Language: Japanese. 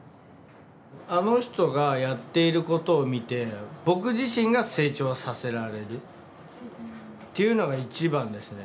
あの人がやっていることを見て僕自身が成長させられるっていうのが一番ですね。